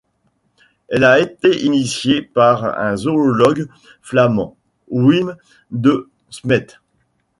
Elle a été initiée par un zoologue flamand, Wim De Smet.